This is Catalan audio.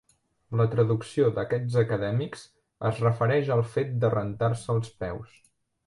La traducció d'aquests acadèmics es refereix al fet de rentar-se els peus.